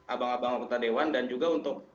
abang abang kota dewan dan juga untuk